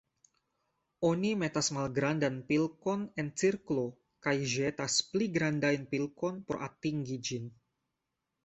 Oni metas malgrandan pilkon en cirklo kaj ĵetas pli grandajn pilkon por atingi ĝin.